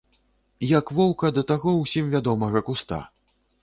Як воўка да таго, усім вядомага куста.